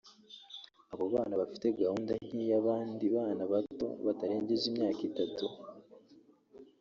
Abo bana bafite gahunda nk’iy’abandi bana bato batarengeje imyaka itatu